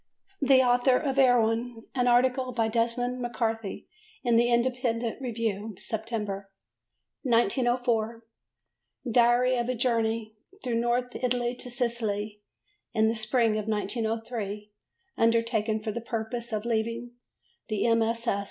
"The Author of Erewhon," an article by Desmond MacCarthy in the Independent Review (September). 1904. Diary of a Journey through North Italy to Sicily (in the spring of 1903, undertaken for the purpose of leaving the MSS.